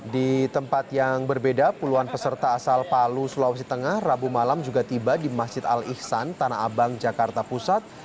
di tempat yang berbeda puluhan peserta asal palu sulawesi tengah rabu malam juga tiba di masjid al ihsan tanah abang jakarta pusat